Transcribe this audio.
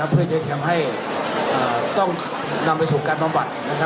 เพื่อจะทำให้ต้องนำไปสู่การบำบัด